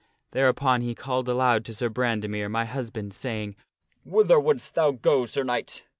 Thereupon he called out aloud to Sir Brandemere, my husband, saying: 'Whither wouldst thou go, Sir Knight?'